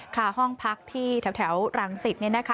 ฆ่าห้องพักที่แถวรังศิษย์